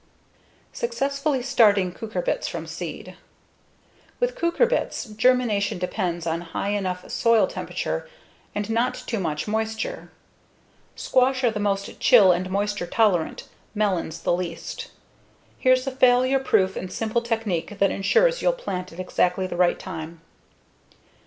Successfully Starting Cucurbits From Seed With cucurbits, germination depends on high enough soil temperature and not too much moisture. Squash are the most chill and moisture tolerant, melons the least. Here's a failure proof and simple technique that ensures you'll plant at exactly the right time.